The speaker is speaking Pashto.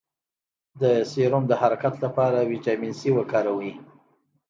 د سپرم د حرکت لپاره ویټامین سي وکاروئ